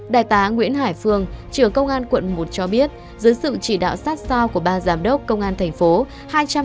đại tá nguyễn hải phương trưởng công an quận một cho biết dưới sự chỉ đạo sát sao của ba giám đốc công an thành phố